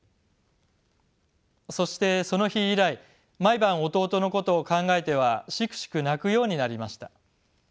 そしてその日以来毎晩弟のことを考えてはシクシク泣くようになりました。